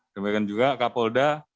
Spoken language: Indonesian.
kemudian juga kapolda